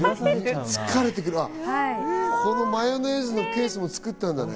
このマヨネーズのケースも作ったんだね。